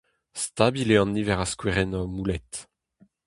Stabil eo an niver a skouerennoù moullet.